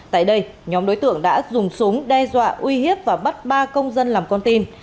tại đây nhóm đối tượng đã dùng súng đe dọa uy hiếp và bắt ba công dân làm con tin